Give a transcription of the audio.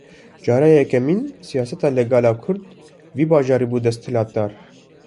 Cara yekemîn siyaseta legal a Kurd, li vî bajarî bû desthilatdar